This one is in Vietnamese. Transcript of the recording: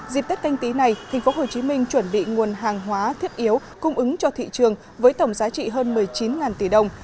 dịp tết canh tí này tp hcm chuẩn bị nguồn hàng hóa thiết yếu cung ứng cho thị trường với tổng giá trị hơn một mươi chín tỷ đồng